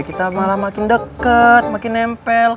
kita malah makin deket makin nempel